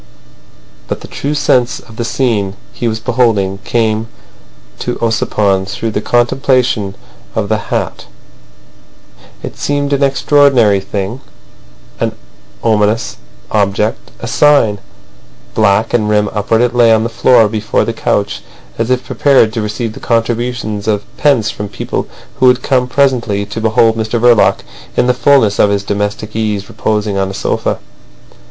But the true sense of the scene he was beholding came to Ossipon through the contemplation of the hat. It seemed an extraordinary thing, an ominous object, a sign. Black, and rim upward, it lay on the floor before the couch as if prepared to receive the contributions of pence from people who would come presently to behold Mr Verloc in the fullness of his domestic ease reposing on a sofa.